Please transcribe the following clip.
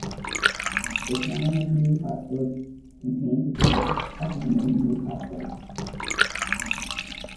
The Town of New Hartford contains a village, also named New Hartford.